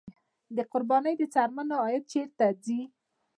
د قربانۍ د څرمنو عاید چیرته ځي؟